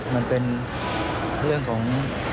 มันเป็นเรื่องของ